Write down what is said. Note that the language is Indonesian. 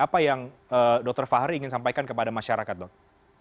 apa yang dokter fahri ingin sampaikan kepada masyarakat dok